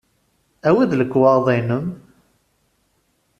Awi-d lekwaɣeḍ-nnem.